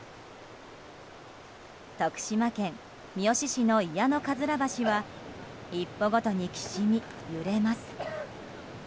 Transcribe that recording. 徳島県三好市の祖谷のかずら橋は１歩ごとにきしみ、揺れます。